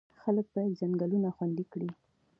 خلک باید ځنګلونه خوندي کړي.